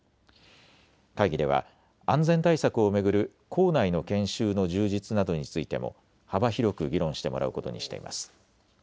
会議では安全対策を巡る校内の研修の充実などについても幅広く議論してもらうことにしています。